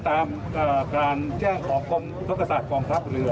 ตามการแจ้งของกรมอุทธกษาตร์กองทัพเรือ